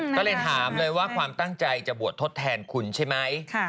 ก็เลยถามเลยว่าความตั้งใจจะบวชทดแทนคุณใช่ไหม